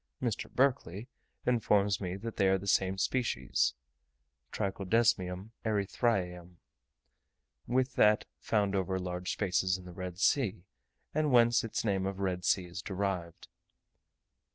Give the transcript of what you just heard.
Mr. Berkeley informs me that they are the same species (Trichodesmium erythraeum) with that found over large spaces in the Red Sea, and whence its name of Red Sea is derived.